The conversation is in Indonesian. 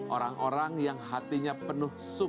orang orang yang hatinya penuh suku